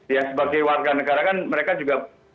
ya sebagai warga negara kan mereka juga